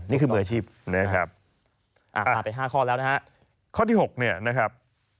นี่คือมืออาชีพนะครับพาไปห้าข้อแล้วนะฮะข้อที่๖เนี่ยนะครับ